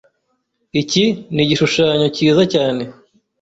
Iki nigishushanyo cyiza cyane.